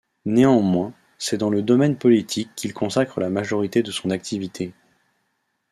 Néanmoins, c’est dans le domaine politique qu’il consacre la majorité de son activité.